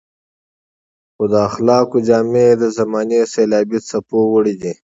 خو د اخلاقو جامې يې د زمانې سېلابي څپو وړي دي.